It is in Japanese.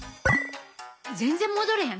全然戻れへん。